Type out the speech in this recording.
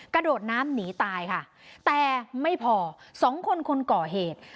กระโดดน้ำหนีตายค่ะแต่ไม่พอสองคนคนก่อเหตุ